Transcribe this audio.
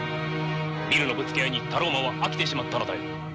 ビルのぶつけ合いにタローマンは飽きてしまったのだよ。